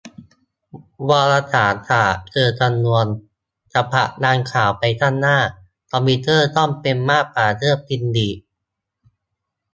วารสารศาสตร์เชิงคำนวณ : จะผลักข่าวไปข้างหน้า คอมพิวเตอร์ต้องเป็นมากกว่าเครื่องพิมพ์ดีด